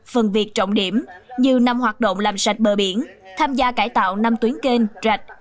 phần việc trọng điểm như năm hoạt động làm sạch bờ biển tham gia cải tạo năm tuyến kênh rạch